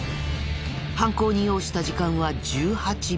犯行に要した時間は１８秒。